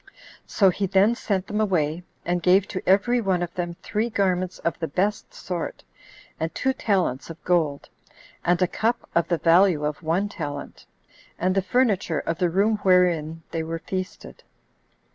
So he then sent them away, and gave to every one of them three garments of the best sort, and two talents of gold, and a cup of the value of one talent, and the furniture of the room wherein they were feasted.